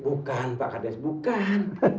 bukan pak kades bukan